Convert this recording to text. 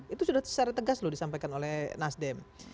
itu sudah secara tegas loh disampaikan oleh nasdem